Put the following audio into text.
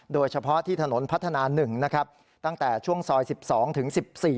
โดยเฉพาะที่ถนนพัฒนา๑นะครับตั้งแต่ช่วงซอย๑๒ถึง๑๔